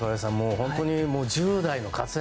本当に、１０代の活躍